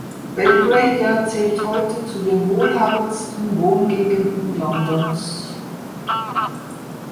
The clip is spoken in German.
Belgravia zählt heute zu den wohlhabendsten Wohngegenden Londons.